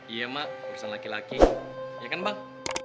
iya mak urusan laki laki ya kan bang